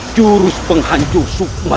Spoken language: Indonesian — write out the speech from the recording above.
jurus penghancung sukma